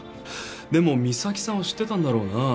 でも三崎さんは知ってたんだろうな。